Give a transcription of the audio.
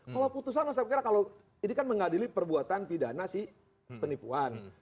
kalau putusan saya kira kalau ini kan mengadili perbuatan pidana si penipuan